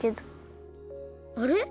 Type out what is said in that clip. あれ？